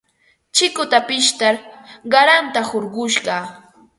Chikuta pishtar qaranta hurqushqaa.